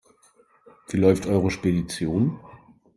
Wie läuft eure Spedition?